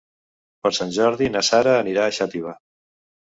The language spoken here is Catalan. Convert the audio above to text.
Per Sant Jordi na Sara anirà a Xàtiva.